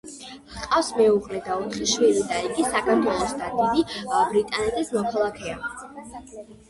ჰყავს მეუღლე და ოთხი შვილი და იგი საქართველოს და დიდი ბრიტანეთის მოქალაქეა.